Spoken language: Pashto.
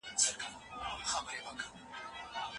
دیموکراسي د خلکو د ګډون لاره ده.